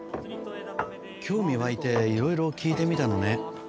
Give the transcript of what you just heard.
興味湧いて色々聞いてみたのね